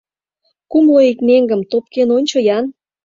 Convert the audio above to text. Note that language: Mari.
Кумло ик меҥгым топкен ончо-ян!